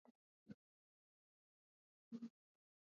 Urusi ilikuwa udikteta chini ya chama cha kikomunisti